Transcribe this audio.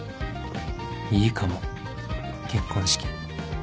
いいかも結婚式